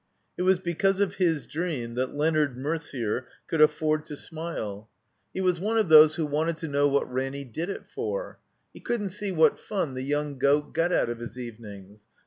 It was because of his dream that Leonard Merder could afford to smile. He was one of those who wanted to know what Ranny did it for. He couldn't see what fxm the young goat got out of his evenings.